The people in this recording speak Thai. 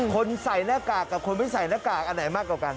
คนใส่หน้ากากกับคนไม่ใส่หน้ากากอันไหนมากกว่ากัน